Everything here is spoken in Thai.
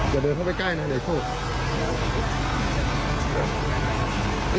อย่าเดินเข้าไปใกล้นะเดี๋ยวโชค